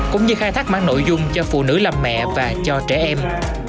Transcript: cũng như khai thác mang nội dung cho phụ nữ làm mẹ và cho trẻ em